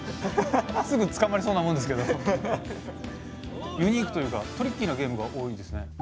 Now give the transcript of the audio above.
すぐつかまりそうなもんですけどもユニークというかトリッキーなゲームが多いですね。